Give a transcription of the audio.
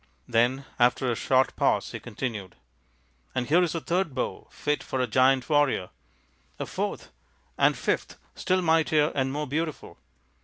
Then after a short pause he continued, " And here is a third bow fit for a giant warrior ; a fourth a and fifth still mightier and more beautiful.